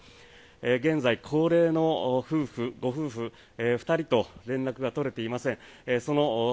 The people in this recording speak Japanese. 現在、高齢のご夫婦２人と連絡が取れていません。